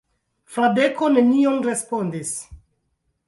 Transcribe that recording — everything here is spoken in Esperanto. Fradeko nenion respondis.